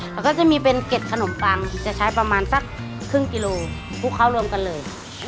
แล้วก็จะมีเป็นเกร็ดขนมปังจะใช้ประมาณสักครึ่งกิโลคลุกเคล้ารวมกันเลย